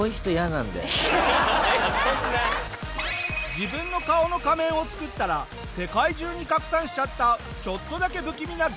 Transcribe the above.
自分の顔の仮面を作ったら世界中に拡散しちゃったちょっとだけ不気味な激